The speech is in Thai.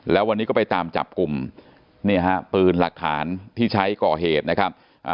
แล้ววันนี้ก็ไปตามจับกลุ่มเนี่ยฮะปืนหลักฐานที่ใช้ก่อเหตุนะครับ